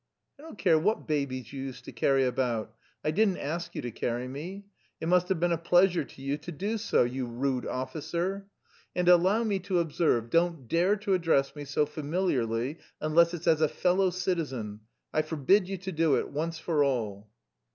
"I don't care what babies you used to carry about. I didn't ask you to carry me. It must have been a pleasure to you to do so, you rude officer. And allow me to observe, don't dare to address me so familiarly, unless it's as a fellow citizen. I forbid you to do it, once for all."